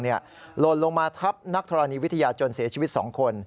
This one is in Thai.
โหลลงมาทับนักธรรมนีวิทยาจนเสียชีวิตสองคน